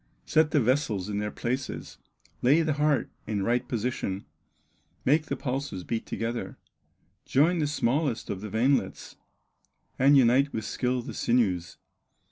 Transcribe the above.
Set the vessels in their places, Lay the heart in right position, Make the pulses beat together, Join the smallest of the veinlets, And unite with skill the sinews.